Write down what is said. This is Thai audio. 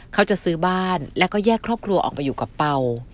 เขาจะซื้อบ้านแล้วก็แยกครอบครัวออกไปอยู่กับเป่า